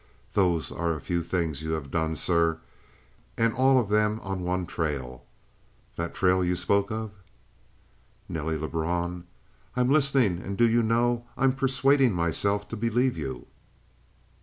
Those are a few things you have done, sir! And all on one trail? That trail you spoke of?" "Nelly Lebrun " "I'm listening; and do you know I'm persuading myself to believe you?"